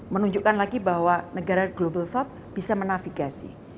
menunjukkan lagi bahwa negara global south bisa menafigasi